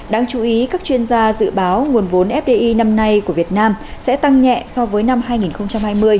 đáng chú ý các chuyên gia dự báo nguồn vốn fdi năm nay của việt nam sẽ tăng nhẹ so với năm hai nghìn hai mươi